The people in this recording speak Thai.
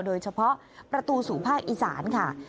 โดยเฉพาะประตูสู่ภาคอีสานค่ะ